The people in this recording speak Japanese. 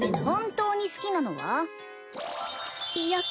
本当に好きなのは？